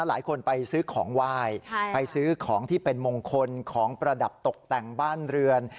หลายคนไปซื้อของไหว้ไปซื้อของที่เป็นมงคลของประดับตกแต่งบ้านเรือน